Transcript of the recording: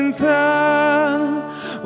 walau tanpa kata